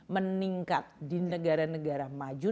meningkat di negara negara maju